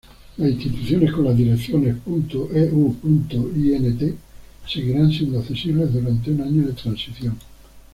Las instituciones con las direcciones ".eu.int" seguirán siendo accesibles durante un año de transición.